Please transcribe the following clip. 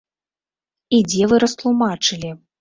І дзе вы растлумачылі?